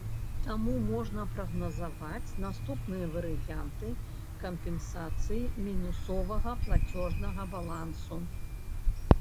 Таму можна прагназаваць наступныя варыянты кампенсацыі мінусовага плацежнага балансу.